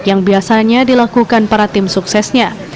yang biasanya dilakukan para tim suksesnya